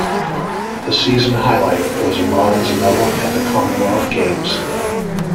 The season highlight was a bronze medal at the Commonwealth Games.